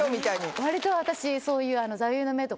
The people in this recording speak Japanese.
割と私そういう。